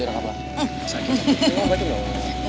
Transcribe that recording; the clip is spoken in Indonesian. udah obatin dong